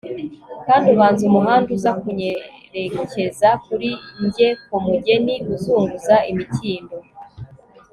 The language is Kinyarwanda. Kandi ubanza umuhanda uza kunyerekeza kuri njye nkumugeni uzunguza imikindo